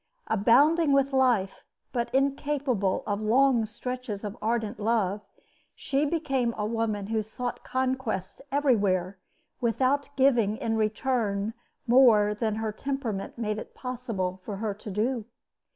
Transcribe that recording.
Abounding with life, but incapable of long stretches of ardent love, she became a woman who sought conquests everywhere without giving in return more than her temperament made it possible for her to do.